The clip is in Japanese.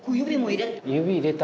指入れた？